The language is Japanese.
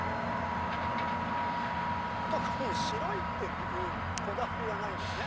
特に白いっていうこだわりはないんですね。